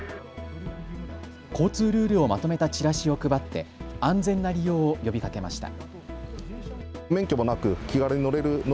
交通ルールをまとめたチラシを配って安全な利用を呼びかけました。